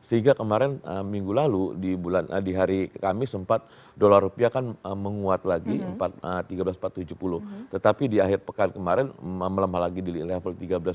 sehingga kemarin minggu lalu di hari kamis sempat dolar rupiah kan menguat lagi tiga belas empat ratus tujuh puluh tetapi di akhir pekan kemarin melemah lagi di level tiga belas dua puluh